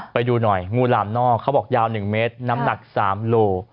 ไปดูหน่อยงูหลามนอกเขาบอกยาว๑เมตรน้ำหนัก๓โล